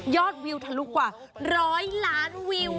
วิวทะลุกว่า๑๐๐ล้านวิว